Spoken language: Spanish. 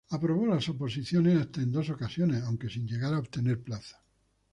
Aprobó las oposiciones hasta en dos ocasiones, aunque sin llegar a obtener plaza.